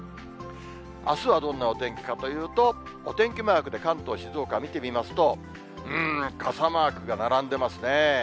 あすはどんなお天気かというと、お天気マークで関東、静岡見てみますと、うーん、傘マークが並んでますね。